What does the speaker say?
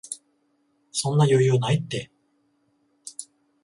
そんな余裕ないって